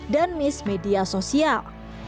dan miss media sosial